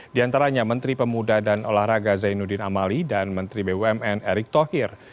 di antaranya menteri pemuda dan olahraga zainuddin amali dan menteri bumn erick thohir